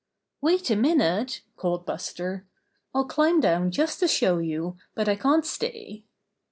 "Wait a minute!" called Buster. "I'll climb down just to show you, but I can't stay."